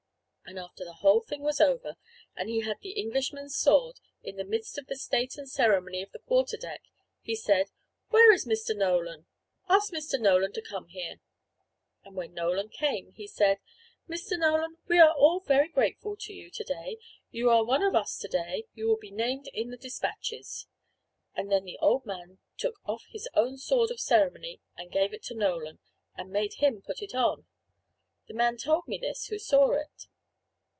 And after the whole thing was over, and he had the Englishman's sword, in the midst of the state and ceremony of the quarter deck, he said: "Where is Mr. Nolan? Ask Mr. Nolan to come here." And when Nolan came, he said: "Mr. Nolan, we are all very grateful to you to day; you are one of us to day; you will be named in the despatches." And then the old man took off his own sword of ceremony, and gave it to Nolan, and made him put it on. The man told me this who saw it.